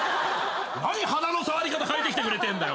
何鼻の触り方変えてきてくれてんだよ。